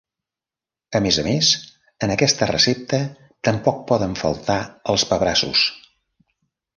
A més a més, en aquesta recepta tampoc poden faltar els pebrassos.